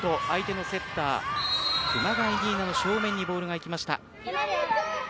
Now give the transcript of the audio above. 相手のセッター熊谷仁依奈の正面にボールが行きました。